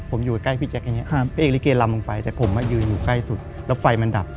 ผมอยู่ใกล้พี่แจ๊คอย่างนี้พระเอกลิเกลำลงไปแต่ผมมายืนอยู่ใกล้สุดแล้วไฟมันดับ